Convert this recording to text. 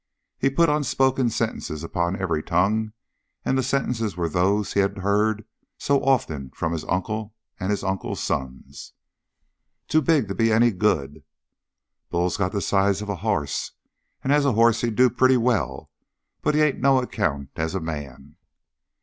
He put unspoken sentences upon every tongue, and the sentences were those he had heard so often from his uncle and his uncle's sons. "Too big to be any good." "Bull's got the size of a hoss, and as a hoss he'd do pretty well, but he ain't no account as a man."